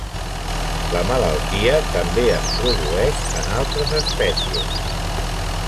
La malaltia també es produeix en altres espècies.